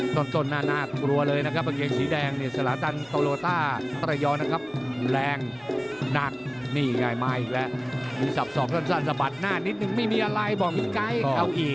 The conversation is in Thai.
ต้นน่ากลัวเลยนะครับกางเกงสีแดงเนี่ยสลาตันโตโลต้าระยองนะครับแรงหนักนี่ไงมาอีกแล้วมีสับสอกสั้นสะบัดหน้านิดนึงไม่มีอะไรบอกมีไกด์เอาอีก